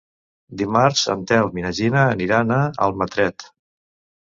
Dimarts en Telm i na Gina aniran a Almatret.